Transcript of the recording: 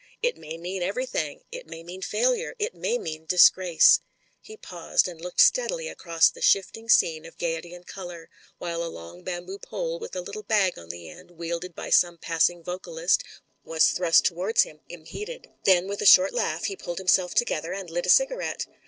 It may mean everything — it may mean failure — it may mean disgrace." He paused and looked steadily across the shifting scene of gaiety and colour, while a long bamboo pole with a little bag on the end, wielded by some passing vocalist, was thrust towards him im heeded. Then with a short laugh he pulled himself together, and lit a cigarette.